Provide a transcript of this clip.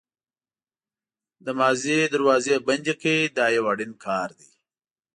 د ماضي دروازې بندې کړئ دا یو اړین کار دی.